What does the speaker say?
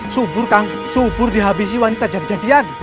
subur kang subur dihabisi wanita jadi jadian